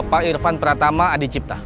pak irfan pratama adi cipta